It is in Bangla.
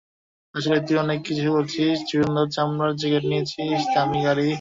আসলেই তুই অনেক কিছু করেছিস সুন্দর চামড়ার জ্যাকেট নিয়েছিস, দামি গাড়ী।